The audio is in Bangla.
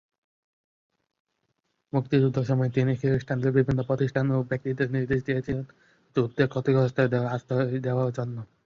মুক্তিযুদ্ধের সময়ে তিনি খ্রিস্টানদের বিভিন্ন প্রতিষ্ঠান ও ব্যক্তিদের নির্দেশ দিয়েছিলেন যুদ্ধে ক্ষতিগ্রস্থদের আশ্রয় দেওয়ার জন্য।